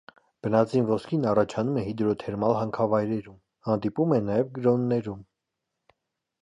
Բնածին ոսկին առաջանում է հիդրոթերմալ հանքավայրերում, հանդիպում է նաև գրոններում։